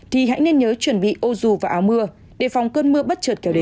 thì hãy nên nhớ chuẩn bị ô dù và áo mưa để phòng cơn mưa bất chợt kéo đến